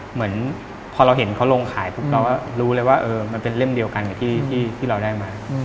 เหมือนพอเราเห็นเขาลงขายปุ๊บเราก็รู้เลยว่ามันเป็นเล่มเดียวกันกับที่เราได้มา